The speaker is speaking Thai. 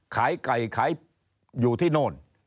ขายไก่ขายอยู่ที่โน่น